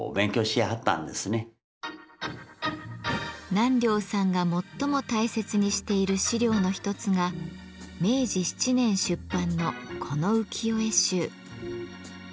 南陵さんが最も大切にしている資料の一つが明治７年出版のこの浮世絵集。